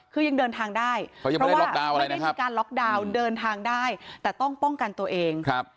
คุณกุ๊บกิ๊บ